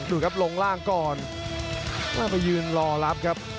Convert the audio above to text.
ดูครับลงล่างก่อนแม่ไปยืนรอรับครับ